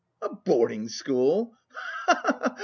"A boarding school, ha ha ha!